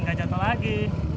gak jatuh lagi